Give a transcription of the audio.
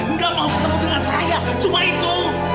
enggak mau ketemu dengan saya cuma itu